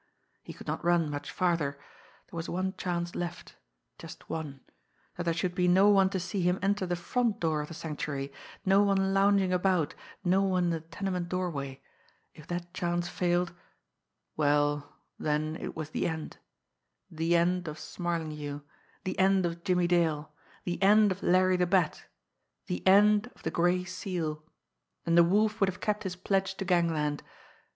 He could not run much farther. There was one chance left just one that there should be no one to see him enter the front door of the Sanctuary, no one lounging about, no one in the tenement doorway. If that chance failed well, then it was the end the end of Smarlinghue, the end of Jimmie Dale, the end of Larry the Bat, the end of the Gray Seal and the Wolf would have kept his pledge to gangland.